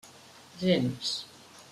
Gens.